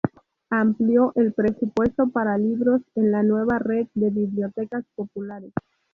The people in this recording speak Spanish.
Amplió el presupuesto para libros en la nueva Red de bibliotecas Populares.